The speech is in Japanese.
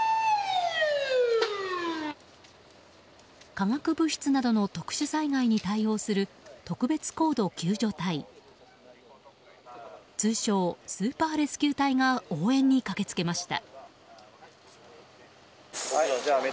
化学物質などの特殊災害に対応する特別高度救助隊通称スーパーレスキュー隊が応援に駆けつけました。